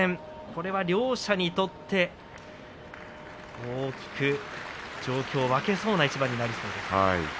これは両者にとって大きく状況を分けそうな一番になりそうです。